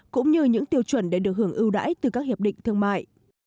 cũng như những tiêu chuẩn để được hưởng ưu đãi từ các hiệp định thương mại